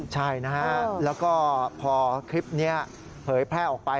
ใช่นะฮะแล้วก็พอคลิปนี้เผยแพร่ออกไป